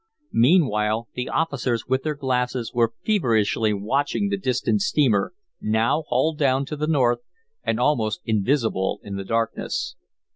Meanwhile the officers with their glasses were feverishly watching the distant steamer, now hull down to the north, and almost invisible in the darkness.